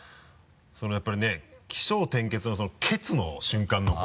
そのやっぱりね「起承転結」の「結」の瞬間の声。